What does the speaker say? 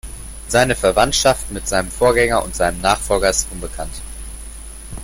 Seine Verwandtschaft mit seinem Vorgänger und seinem Nachfolger ist unbekannt.